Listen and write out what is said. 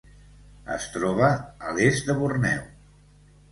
Es troba a l'est de Borneo.